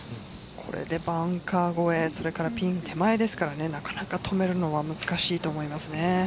これでバンカー越えそれからピン手前ですからねなかなか止めるのは難しいと思います。